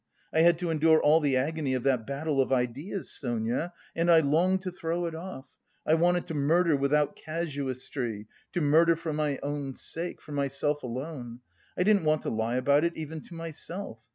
I had to endure all the agony of that battle of ideas, Sonia, and I longed to throw it off: I wanted to murder without casuistry, to murder for my own sake, for myself alone! I didn't want to lie about it even to myself.